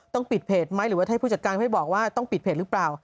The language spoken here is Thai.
ต้องปิดเพจไหมหรือว่าให้ผู้จัดการไม่บอกว่าต้องปิดเพจหรือเปล่า